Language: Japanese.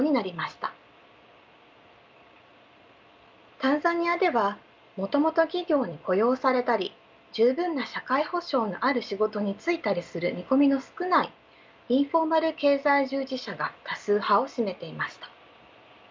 タンザニアではもともと企業に雇用されたり十分な社会保障のある仕事に就いたりする見込みの少ないインフォーマル経済従事者が多数派を占めていました。